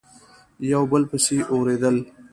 یو په بل پسي اوریدل